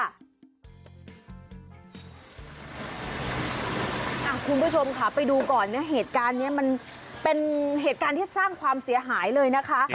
คุณผู้ชมค่ะไปดูก่อนเนี่ยเหตุการณ์นี้มันเป็นเหตุการณ์ที่สร้างความเสียหายเลยนะคะ